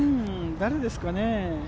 誰ですかね。